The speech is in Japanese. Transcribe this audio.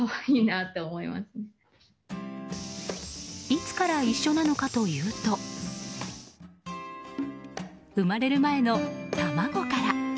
いつから一緒なのかというと生まれる前の卵から。